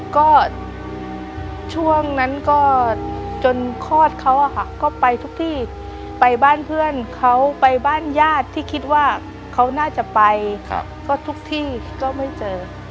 ก็ช่วงนั้นก็จนคลอดเขาก็ไปทุกที่ไปบ้านเพื่อนเขาไปบ้านญาติที่คิดว่าเขาน่าจะไปก็ทุกที่ก็ไม่เจอ